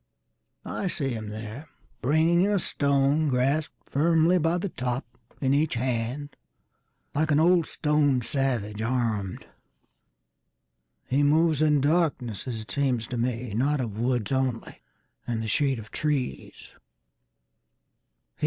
I see him thereBringing a stone grasped firmly by the topIn each hand, like an old stone savage armed. He moves in darkness as it seems to me, Not of woods only and the shade of trees.